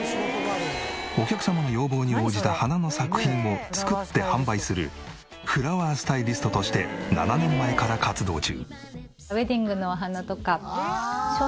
お客様の要望に応じた花の作品を作って販売するフラワースタイリストとして７年前から活動中。